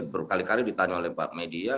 berkali kali ditanya oleh media